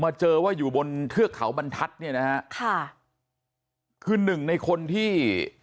มาเจอว่าอยู่บนเทือกเขาบรรทัศน์ค่ะคือหนึ่งในคนที่